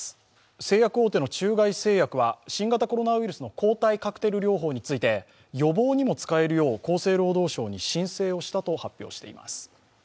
製薬大手の中外製薬は新型コロナウイルスの抗体カクテル療法について、予防にも使えるよう厚生労働省に申請をしたと発表しています。